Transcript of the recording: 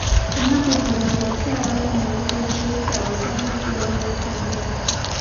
Ennaku zino bw’okyalako ku mbuga z’ebika osanga ziyooyooteddwa.